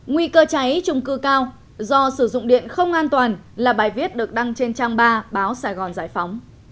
nguy cơ cháy trung cư cao do sử dụng điện không an toàn là bài viết được đăng trên trang ba báo sài gòn giải phóng